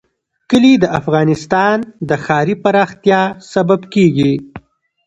کلي د افغانستان د ښاري پراختیا سبب کېږي.